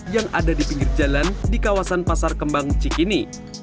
yang ada di pinggir jalan di kawasan pasar kembang cikini